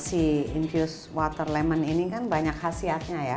si infused water lemon ini kan banyak khasiatnya ya